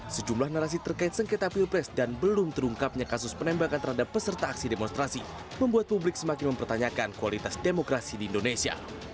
sejumlah narasi terkait sengketa pilpres dan belum terungkapnya kasus penembakan terhadap peserta aksi demonstrasi membuat publik semakin mempertanyakan kualitas demokrasi di indonesia